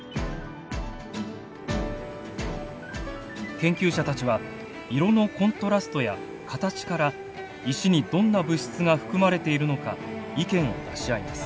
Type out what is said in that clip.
研究者たちは色のコントラストや形から石にどんな物質が含まれているのか意見を出し合います。